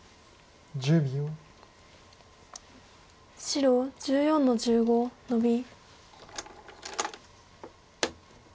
白１４の十五ノビ。